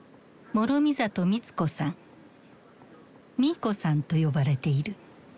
ミーコさんと呼ばれている。